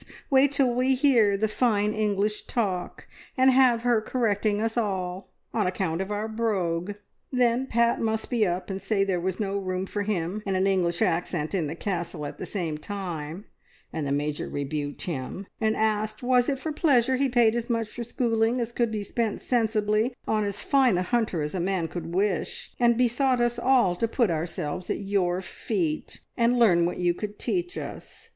Wait till we hear the fine English talk, and have her correcting us all, on account of our brogue!' Then Pat must up and say there was no room for him and an English accent in the Castle at the same time, and the Major rebuked him, and asked was it for pleasure he paid as much for schooling as could be spent sensibly on as fine a hunter as a man could wish, and besought us all to put ourselves at your feet, and learn what you could teach us.